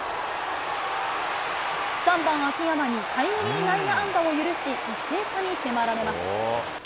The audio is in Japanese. ３番秋山にタイムリー内野安打を許し、１点差に迫られます。